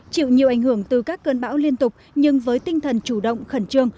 chịu nhiều ảnh hưởng từ các cơn bão liên tục nhưng với tinh thần chủ động khẩn trương